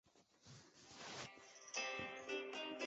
在法西终战的比利牛斯和约。